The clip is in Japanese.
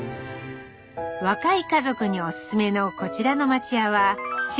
若い家族におすすめのこちらの町家は築